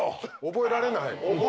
覚えられない？